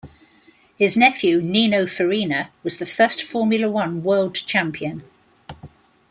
His nephew, Nino Farina, was the first Formula One world champion.